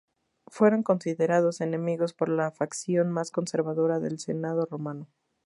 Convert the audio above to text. Fueron considerados enemigos por la facción más conservadora del Senado Romano.